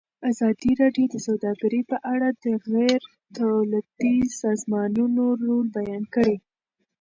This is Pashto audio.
ازادي راډیو د سوداګري په اړه د غیر دولتي سازمانونو رول بیان کړی.